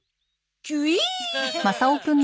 キュイン！